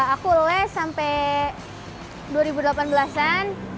aku les sampai dua ribu delapan belas an